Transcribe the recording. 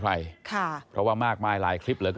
ไอ้แม่ได้เอาแม่ได้เอาแม่ได้เอาแม่